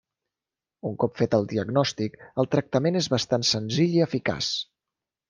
Un cop fet el diagnòstic, el tractament és bastant senzill i eficaç.